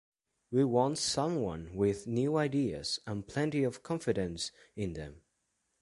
We want someone with new ideas and plenty of confidence in them.